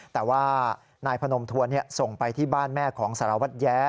แต่ว่านายพนมทัวร์ส่งไปที่บ้านแม่ของสารวัตรแย้